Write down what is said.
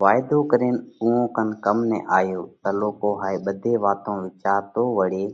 وائيڌو ڪرينَ اُو ڪم نہ آيا؟ تلُوڪو هائي ٻڌي واتون وِيچارتون وۯي